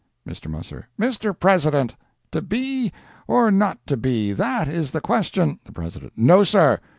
Mr. Musser—"Mr. President: To be, or not to be that is the question— The President—"No, sir!